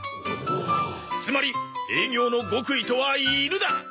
つまり営業の極意とは犬だ！